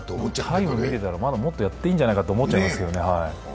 タイム見てたらもっとやっていいんじゃないかと思っちゃいますよね。